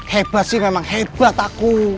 hebat sih memang hebat aku